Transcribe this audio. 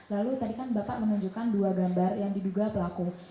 lalu tadi kan bapak menunjukkan dua gambar yang diduga pelaku